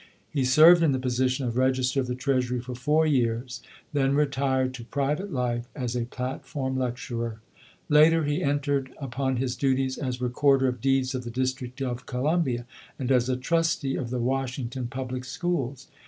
He served in the position of Register of the Treasury for four years, then retired to private life as a platform lecturer. Later, he entered up on his duties as Recorder of Deeds of the District of Columbia and as a trustee of the Washington Public Schools.